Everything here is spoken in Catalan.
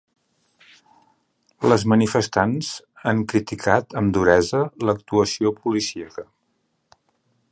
Les manifestants han criticat amb duresa l’actuació policíaca.